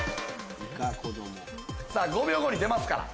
さぁ５秒後に出ますから。